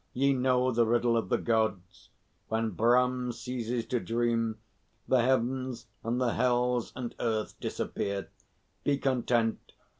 "Ye know the Riddle of the Gods. When Brahm ceases to dream, the Heavens and the Hells and Earth disappear. Be content.